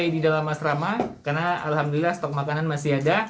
di dalam asrama karena alhamdulillah stok makanan masih ada